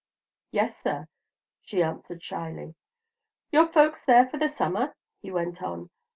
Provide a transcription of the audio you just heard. "Yes, sir," she answered, shyly. "Your folks there for the summer?" he went on.